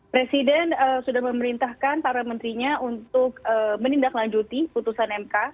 presiden sudah memerintahkan para menterinya untuk menindaklanjuti putusan mk